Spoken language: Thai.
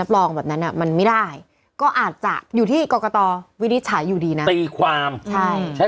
รับรองแบบนั้นอะมันไม่ได้ก็อาจจะอยู่ที่กรกตวิธีฉายุดีนั้นตีความใช้